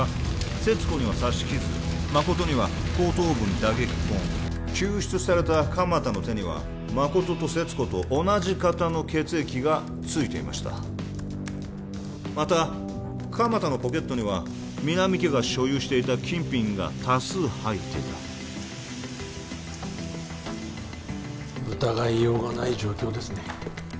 勢津子には刺し傷誠には後頭部に打撃痕救出された鎌田の手には誠と勢津子と同じ型の血液がついていましたまた鎌田のポケットには皆実家が所有していた金品が多数入っていた疑いようがない状況ですね